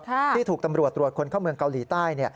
ที่ถูกตำรวจตรวจคนเข้าเมืองเกาหลีใต้